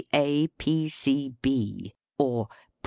A. P.